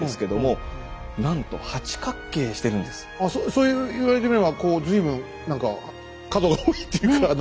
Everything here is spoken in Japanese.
そう言われてみればこう随分何か角が多いっていうか。